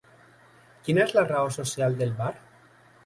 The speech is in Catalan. Quina és la raó social del bar?